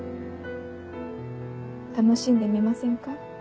楽しんでみませんか？